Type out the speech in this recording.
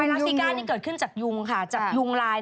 รักซิก้านี่เกิดขึ้นจากยุงค่ะจากยุงลาย